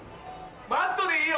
マットでいいよ。